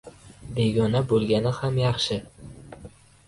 Begona bo‘lgani ham yaxshi.